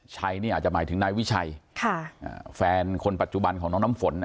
ชัยนี่อาจจะหมายถึงนายวิชัยแฟนคนปัจจุบันของน้องน้ำฝน